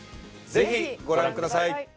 ぜひご覧ください。